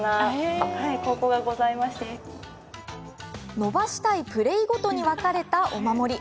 伸ばしたいプレーごとに分かれた、お守り。